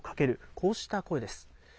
こうした声です。